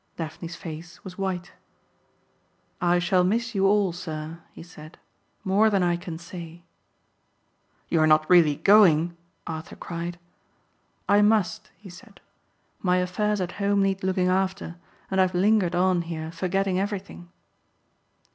Daphne's face was white. "I shall miss you all, sir," he said, "more than I can say." "You are not really going?" Arthur cried. "I must," he said. "My affairs at home need looking after and I have lingered on here forgetting everything."